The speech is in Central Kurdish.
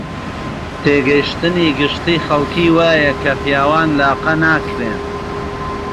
تێگەیشتنی گشتیی خەڵکی وایە کە پیاوان لاقە ناکرێن